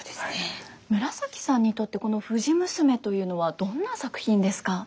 紫さんにとってこの「藤娘」というのはどんな作品ですか？